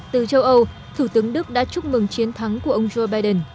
từ châu âu thủ tướng đức đã chúc mừng chiến thắng của ông joe biden